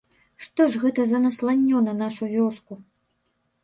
Што ж гэта за насланнё на нашу вёску?